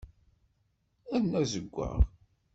Rnu azeggaɣ.